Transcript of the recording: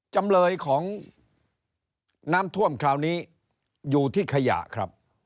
จำเลยของน้ำท่วมคราวนี้อยู่ที่ขยะครับ